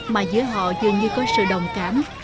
mà giữa họ dường như có sự đồng cảm